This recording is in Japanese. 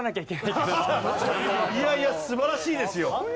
いやいや素晴らしいですよ。